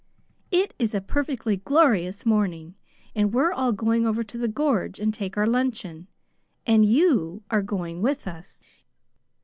"It is a perfectly glorious morning, and we're all going over to the Gorge and take our luncheon. And YOU are going with us."